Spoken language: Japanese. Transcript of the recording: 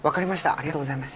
ありがとうございます。